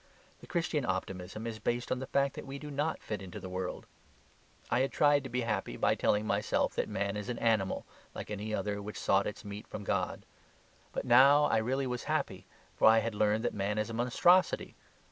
The Christian optimism is based on the fact that we do NOT fit in to the world. I had tried to be happy by telling myself that man is an animal, like any other which sought its meat from God. But now I really was happy, for I had learnt that man is a monstrosity.